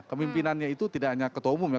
kemimpinannya itu tidak hanya ketua umum ya